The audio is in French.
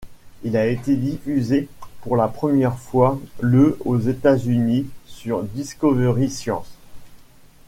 Il a été diffusé pour la première fois le aux États-Unis sur Discovery Science.